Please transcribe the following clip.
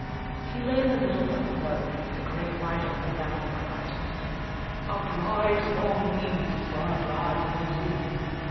He lay in the middle of the road with a great wide open mouth, and cried, "A bride for me before a bride for you!"